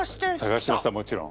探しましたもちろん。